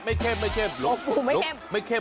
ไม่ไม่เข้มหลวงปู่ไม่เข้ม